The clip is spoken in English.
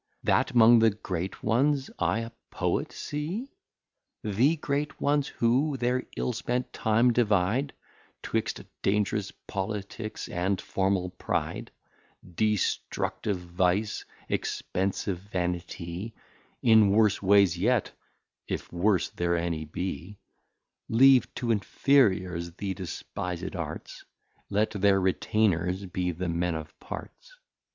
That 'mong the Great Ones I a Poet see? The Great Ones? who their Ill spent time devide, 'Twixt dang'rous Politicks, and formal Pride, Destructive Vice, expensive Vanity, In worse Ways yet, if Worse there any be: Leave to Inferiours the despised Arts, Let their Retainers be the Men of Parts.